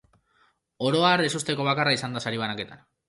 Oro har, ezusteko bakarra izan da sari banaketan.